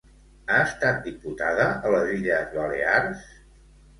Ha estat diputada a les Illes Balears?